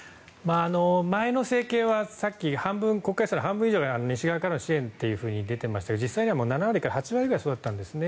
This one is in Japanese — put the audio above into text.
前の政権はさっき、半分以上が西側からの支援と出ていましたが実際は７割から８割ぐらいがそうだったんですよね。